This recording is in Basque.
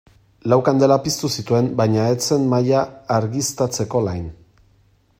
Lau kandela piztu zituen baina ez zen mahaia argiztatzeko lain.